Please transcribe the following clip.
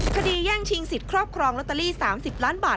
แย่งชิงสิทธิ์ครอบครองลอตเตอรี่๓๐ล้านบาท